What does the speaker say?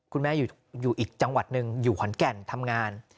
คุณแม่อยู่อีกจังหวัดหนึ่งอยู่ขอนแก่นทำงาน